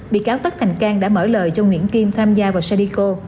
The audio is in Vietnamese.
bị cáo tất thành cang đã mở lời cho nguyễn kim tham gia vào sadico